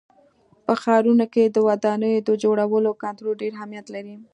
په ښارونو کې د ودانیو د جوړولو کنټرول ډېر اهمیت لري.